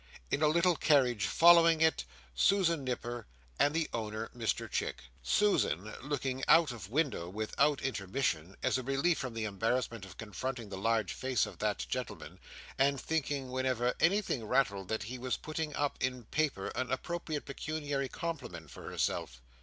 In a little carriage following it, Susan Nipper and the owner Mr Chick. Susan looking out of window, without intermission, as a relief from the embarrassment of confronting the large face of that gentleman, and thinking whenever anything rattled that he was putting up in paper an appropriate pecuniary compliment for herself.